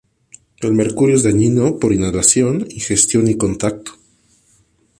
El mercurio es dañino por inhalación, ingestión y contacto.